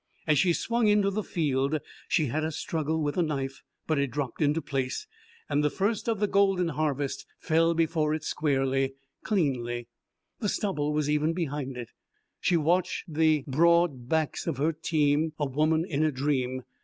As she swung into the field she had a struggle with the knife, but it dropped into place, and the first of the golden harvest fell before it squarely, cleanly; the stubble was even behind it. She watched the broad backs of her team, a woman in a dream.